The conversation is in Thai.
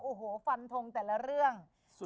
โอ้โหฟันทงแต่ละเรื่อง